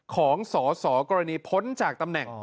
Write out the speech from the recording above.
ของสอสอกรณีพ้นจากตำแหน่ง